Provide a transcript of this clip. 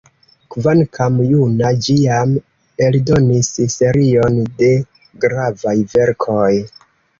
Kvankam juna, ĝi jam eldonis serion de gravaj verkoj.